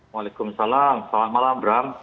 waalaikumsalam selamat malam bram